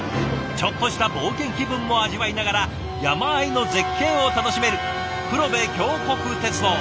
ちょっとした冒険気分も味わいながら山あいの絶景を楽しめる黒部峡谷鉄道。